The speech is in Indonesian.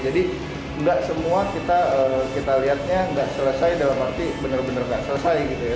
jadi nggak semua kita lihatnya nggak selesai dalam arti benar benar nggak selesai gitu ya